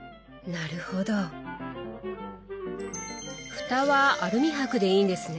フタはアルミ箔でいいんですね。